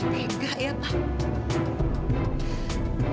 tega ya pak